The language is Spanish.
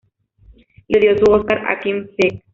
Le dio su "Óscar" a Kim Peek.